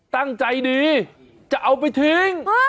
ตั้งใจดีจะเอาไปทิ้ง